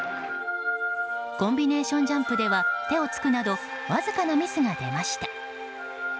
コンビネーションジャンプでは手をつくなどわずかなミスが出ました。